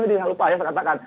nanti gak lupa ya kakak katakan